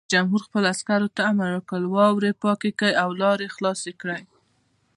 رئیس جمهور خپلو عسکرو ته امر وکړ؛ واورې پاکې کړئ او لارې خلاصې کړئ!